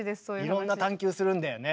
いろんな探究するんだよね？